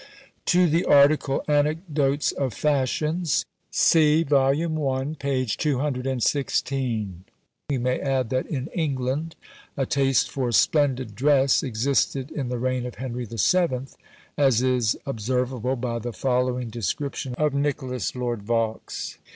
To the article, "Anecdotes of Fashions," (see Vol. I., p. 216) we may add, that in England a taste for splendid dress existed in the reign of Henry VII.; as is observable by the following description of Nicholas Lord Vaux.